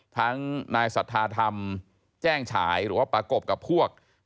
ทั้งนายสัทธาธรรมแจ้งฉายหรือว่าประกบกับพวก